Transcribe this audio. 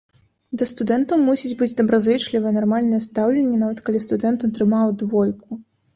Да студэнтаў мусіць быць добразычлівае, нармальнае стаўленне, нават калі студэнт атрымаў двойку.